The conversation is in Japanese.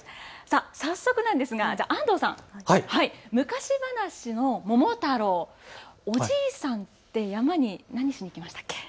早速なんですが安藤さん、昔話の桃太郎、おじいさんって山に何しに行きましたっけ？